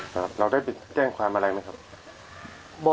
ครับเราได้แจ้งความแรงไหมครับ